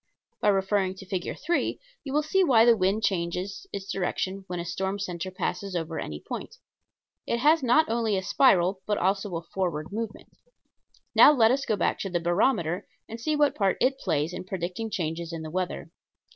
By referring to Fig. 3 you will see why the wind changes its direction when a storm center passes over any point. It has not only a spiral but also a forward movement. [Illustration: FIG. 3.] Now let us go back to the barometer and see what part it plays in predicting changes in the weather.